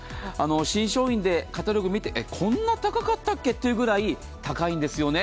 新商品でカタログ見て、こんな高かったっけというくらい高いんですよね。